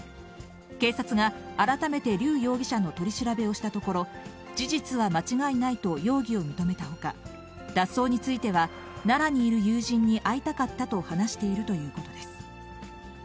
警察が、改めて劉容疑者の取り調べをしたところ、事実は間違いないと容疑を認めたほか、脱走については、奈良にいる友人に会いたかったと話しているということです。